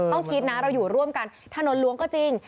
ต้องคิดนะเราอยู่ร่วมกันถนนล้วงก็จริง